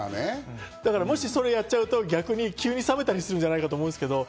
もしやっちゃうと急に冷めたりするんじゃないかと思うんですけど。